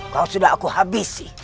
kau sudah aku habisi